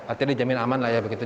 artinya dijamin aman lah ya begitu